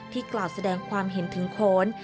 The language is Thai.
กล่าวแสดงความเห็นถึงโขน